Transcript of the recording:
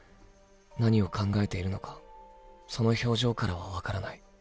何を考えているのかその表情からは分からない